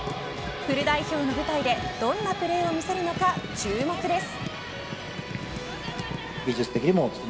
フル代表の舞台でどんなプレーを見せるのか注目です。